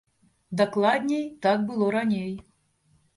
Дакладней, так было раней.